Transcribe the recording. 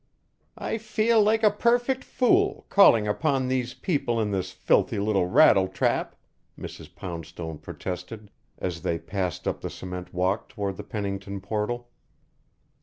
"I feel like a perfect fool, calling upon these people in this filthy little rattletrap," Mrs. Poundstone protested as they passed up the cement walk toward the Pennington portal.